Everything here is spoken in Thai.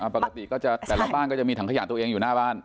ปกติก็จะแต่ละบ้านก็จะมีถังขยะตัวเองอยู่หน้าบ้าน